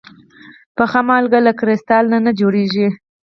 پخه مالګه له کريستال نه جوړېږي.